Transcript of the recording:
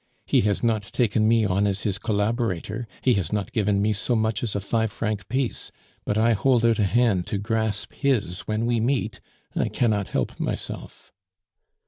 He has not taken me on as his collaborator, he has not give me so much as a five franc piece, but I hold out a hand to grasp his when we meet; I cannot help myself."